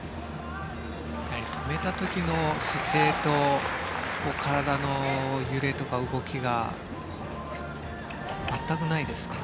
止めた時の姿勢と体の揺れとか動きが全くないですね。